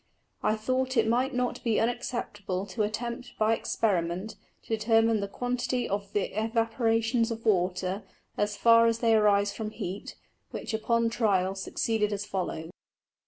I thought it might not be unacceptable to attempt by Experiment to determine the Quantity of the Evaporations of Water, as far as they arise from Heat, which upon Trial succeeded as follows.